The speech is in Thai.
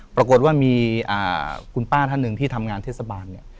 ปรากฏว่ามีคุณป้าท่านหนึ่งที่ทำงานเทศบาลเนี่ย